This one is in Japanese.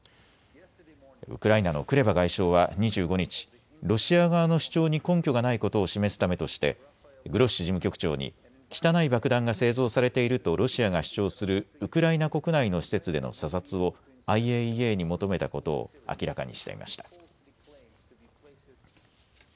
ウクライナのクレバ外相は２５日、ロシア側の主張に根拠がないことを示すためとしてグロッシ事務局長に汚い爆弾が製造されているとロシアが主張するウクライナ国内の施設での査察をＩＡＥＡに求めたことを明らかにしていました。